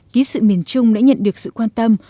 ký sự miền trung đã nhận được sự quan tâm